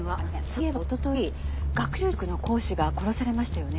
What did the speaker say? そういえばおととい学習塾の講師が殺されましたよね？